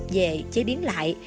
về chế biến lại